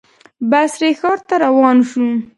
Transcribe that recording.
بصرې ښار ته روان شو.